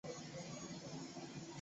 城堡内有数座建筑。